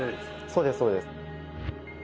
そうですそうです。